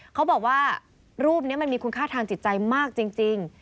เขาบอกว่ารูปนี้มันมีคุณค่าทางจิตใจมากจริง